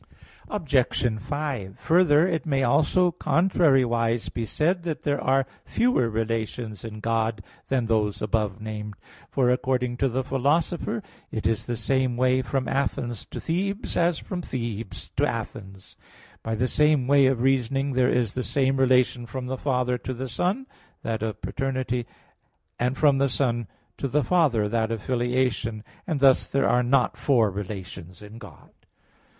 Obj. 5: Further, it may also contrariwise be said that there are fewer relations in God than those above named. For, according to the Philosopher (Phys. iii text 24), "It is the same way from Athens to Thebes, as from Thebes to Athens." By the same way of reasoning there is the same relation from the Father to the Son, that of paternity, and from the Son to the Father, that of filiation; and thus there are not four relations in God.